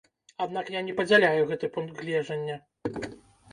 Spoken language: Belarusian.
Аднак я не падзяляю гэты пункт гледжання.